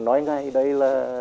nói ngay đây là